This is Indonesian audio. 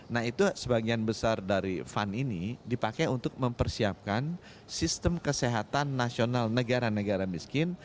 nah itu sebagian besar dari fund ini dipakai untuk mempersiapkan sistem kesehatan nasional negara negara miskin